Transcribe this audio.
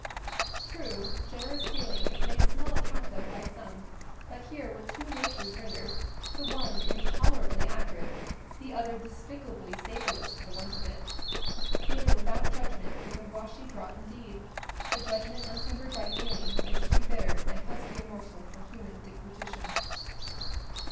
True, generous feeling is made small account of by some, but here were two natures rendered, the one intolerably acrid, the other despicably savourless for the want of it. Feeling without judgment is a washy draught indeed; but judgment untempered by feeling is too bitter and husky a morsel for human deglutition.